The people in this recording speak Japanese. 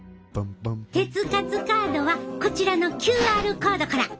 鉄活カードはこちらのＱＲコードから！